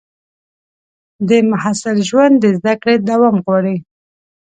د محصل ژوند د زده کړې دوام غواړي.